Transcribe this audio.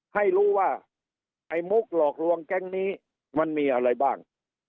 ให้รู้ว่าไอ้มุกหลอกลวงแก๊งนี้มันมีอะไรบ้าง